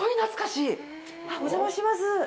お邪魔します。